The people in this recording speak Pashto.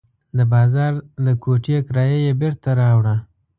د بازار د کوټې کرایه یې بېرته راوړه.